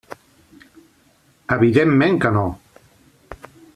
Evidentment que no.